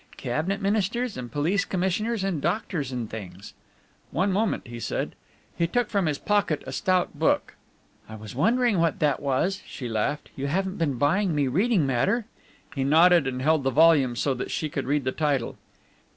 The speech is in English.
Cabinet Ministers and police commissioners and doctors and things." "One moment," he said. He took from his pocket a stout book. "I was wondering what that was," she laughed. "You haven't been buying me reading matter?" He nodded, and held the volume so that she could read the title.